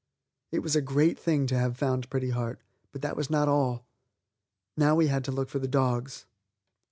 It was a great thing to have found Pretty Heart, but that was not all. Now we had to look for the dogs.